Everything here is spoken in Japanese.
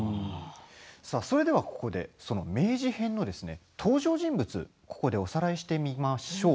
それでは、ここで明治編の登場人物をここでおさらいしてみましょう。